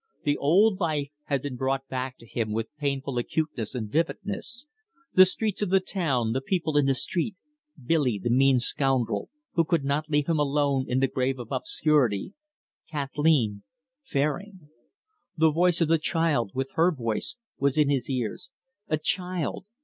The old life had been brought back to him with painful acuteness and vividness. The streets of the town, the people in the street, Billy, the mean scoundrel, who could not leave him alone in the grave of obscurity, Kathleen Fairing. The voice of the child with her voice was in his ears. A child!